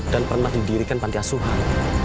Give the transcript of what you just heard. dan pernah didirikan panti asuhan